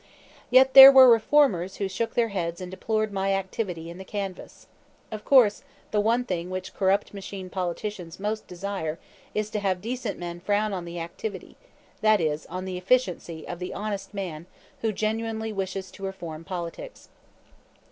Yet there were reformers who shook their heads and deplored my "activity" in the canvass. Of course the one thing which corrupt machine politicians most desire is to have decent men frown on the activity, that is, on the efficiency, of the honest man who genuinely wishes to reform politics.